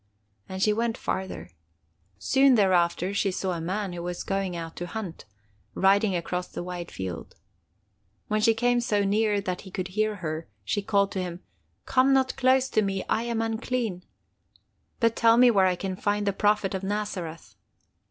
And she went farther. Soon thereafter she saw a man, who was going out to hunt, riding across the wide field. When he came so near that he could hear her, she called to him: 'Come not close to me, I am unclean! But tell me where I can find the Prophet of Nazareth!